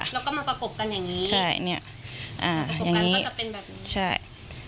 แล้วก็มาประกบกันอย่างนี้ใช่นี่อ่าอย่างนี้ประกบกันก็จะเป็นแบบนี้